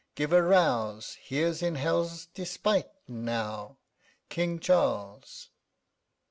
_ 10 Give a rouse; here's, in hell's despite now, _King Charles!